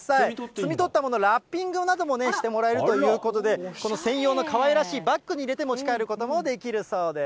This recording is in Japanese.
摘み取ったもの、ラッピングなどもしてもらえるということで、この専用のかわいらしいバッグに入れて持ち帰ることもできるそうです。